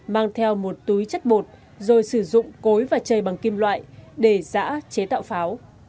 mang theo một túi chất bột rồi sử dụng cối và chơi bằng kim loại để giã chế tạo pháo